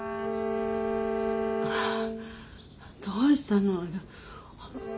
あぁどうしたの。